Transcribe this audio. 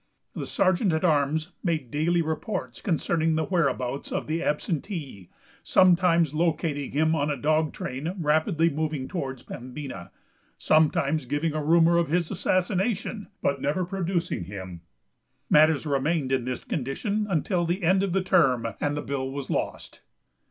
The sergeant at arms made daily reports concerning the whereabouts of the absentee, sometimes locating him on a dog train, rapidly moving towards Pembina, sometimes giving a rumor of his assassination, but never producing him. Matters remained in this condition until the end of the term, and the bill was lost.